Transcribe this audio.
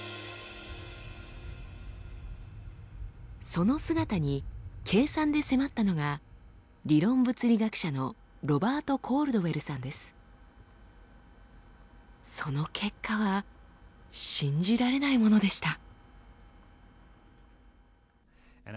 その姿に計算で迫ったのが理論物理学者のその結果は信じられないものでした。